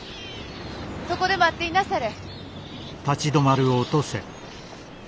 そこで待っていなされ。